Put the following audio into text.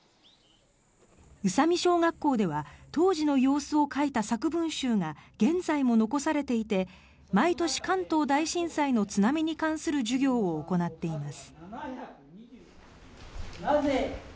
宇佐美小学校では当時の様子を書いた作文集が現在も残されていて毎年、関東大震災の津波に関する授業を行っています。